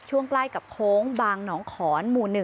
ใกล้กับโค้งบางหนองขอนหมู่๑